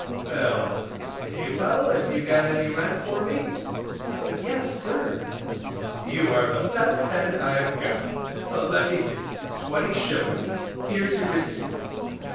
"Well, Mrs. Paywell, have you got any rent for me? Yes, sir. You are the best tenant I have got; let me see, 20s., here's your receipt.